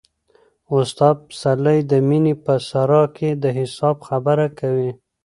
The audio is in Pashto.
استاد پسرلی د مینې په صحرا کې د حساب خبره کوي.